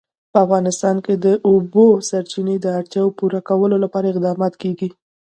په افغانستان کې د د اوبو سرچینې د اړتیاوو پوره کولو لپاره اقدامات کېږي.